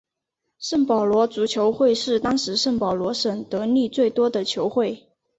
圣保罗足球会是当时圣保罗省得利最多的球会。